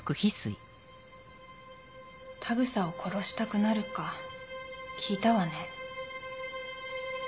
田草を殺したくなるか聞いたわね。